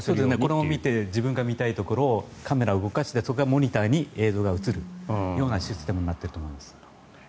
これを見て自分が見たいところにカメラを動かしてモニターに映像が映るようなシステムになっていると思います。